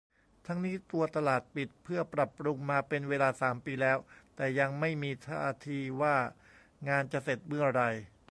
ทั้งนี้ตัวตลาดปิดเพื่อปรับปรุงมาเป็นเวลา สาม ปีแล้ว แต่ยังไม่มีท่าทีว่างานจะเสร็จเมื่อไหร่